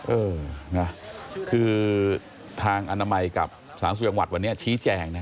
เออคือทางอนามัยกับสหสวัสดิ์วัดวันนี้ชี้แจงนะ